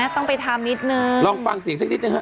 ต้องไปทำนิดนึงลองฟังเสียงสักนิดหนึ่งฮะ